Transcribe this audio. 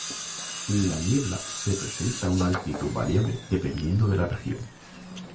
La niebla se presenta a una altitud variable dependiendo de la región.